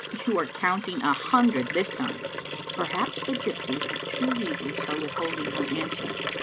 You are counting a hundred this time." Perhaps the gypsy had two reasons for withholding ner answer.